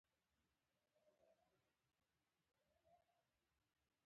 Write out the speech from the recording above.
د الفاظو په سمه او کره بڼه لیکلو ته املاء وايي.